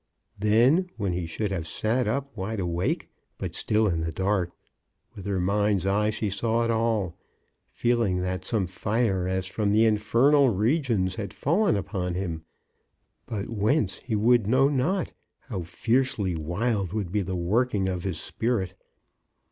Then when he should have sat up wide awake, but still in the dark — with her mind's eye she saw it all — feeling that some fire as from the infernal regions had fallen upon him, but whence he would know not, how fiercely wild would be the working of his spirit